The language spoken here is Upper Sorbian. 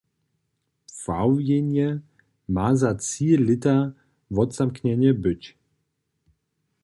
Pławjenje ma za tři lěta wotzamknjene być.